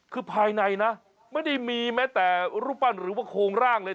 คือภายในนะไม่ได้มีแม้แต่รูปปั้นหรือว่าโครงร่างเลย